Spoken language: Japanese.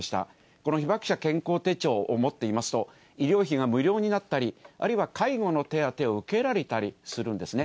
この被爆者健康手帳を持っていますと、医療費が無料になったり、あるいは介護の手当を受けられたりするんですね。